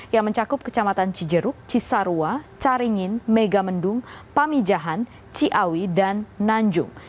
yang mencakup kecamatan cijeruk cisarua caringin megamendung pamijahan ciawi dan nanjung